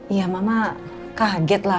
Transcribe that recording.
iya mama kaget lah